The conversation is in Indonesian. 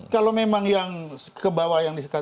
kalau memang yang kebawah yang